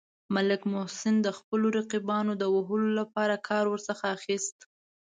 ملک محسن د خپلو رقیبانو د وهلو لپاره کار ورڅخه اخیست.